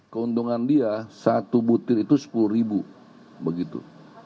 keuntungan dia satu butir itu sepuluh ribu begitu